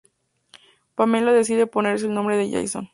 Pamela decide ponerle el nombre de Jason.